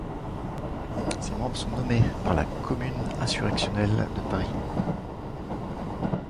Ses membres sont nommés par la Commune insurrectionnelle de Paris.